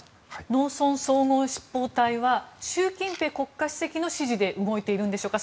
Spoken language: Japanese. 農村総合執法隊は習近平国家主席の指示で動いているんでしょうか。